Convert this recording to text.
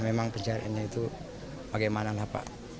memang pencariannya itu bagaimana lah pak